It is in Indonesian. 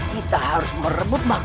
kita harus merebut makhluk